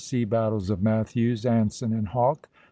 SEA BATTLES OF MATTHEWS, ANSON, AND HAWKE.